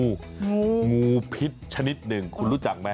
งูพิษชนิดหนึ่งคุณรู้จักไหม